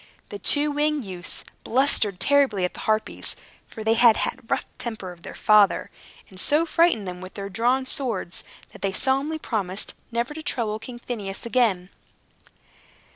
The two winged youths blustered terribly at the Harpies (for they had the rough temper of their father), and so frightened them with their drawn swords, that they solemnly promised never to trouble King Phineus again.